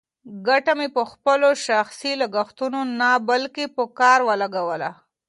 ګټه مې په خپلو شخصي لګښتونو نه، بلکې په کار ولګوله.